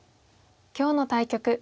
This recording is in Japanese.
今日の対局